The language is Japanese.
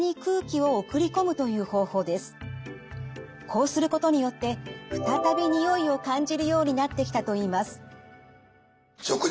こうすることによって再び匂いを感じるようになってきたといいます。